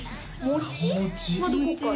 もちはどこから？